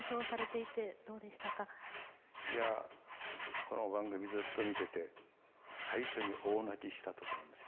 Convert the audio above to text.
いやこの番組ずっと見てて最初に大泣きしたとこなんですよ。